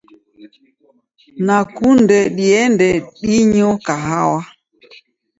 Nakunde diende dinyo kahawa.